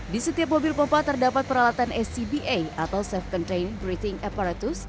di setiap mobil pompa terdapat peralatan scba atau self contained breathing apparatus